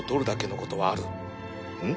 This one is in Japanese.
うん？